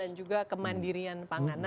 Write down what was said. dan juga kemandirian pangan